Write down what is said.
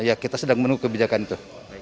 ya kita sedang menunggu kebijakan itu